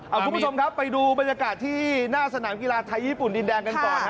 คุณผู้ชมครับไปดูบรรยากาศที่หน้าสนามกีฬาไทยญี่ปุ่นดินแดงกันก่อนฮะ